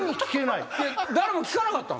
誰も聞かなかったの？